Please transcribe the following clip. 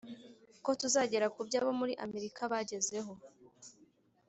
ko tuzagera ku byo abo muri Amerika bagezeho